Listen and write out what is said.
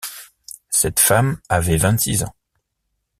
Cette femme avait vingt six ans.